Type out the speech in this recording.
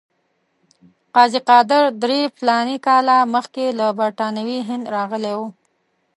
قاضي قادر درې فلاني کاله مخکې له برټانوي هند راغلی وو.